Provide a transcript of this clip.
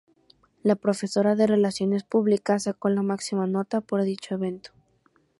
La profesora de Relaciones Públicas sacó la máxima nota por dicho evento.